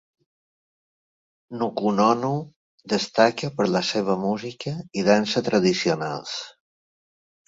Nukunonu destaca per la seva música i dansa tradicionals.